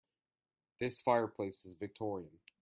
This fireplace is Victorian.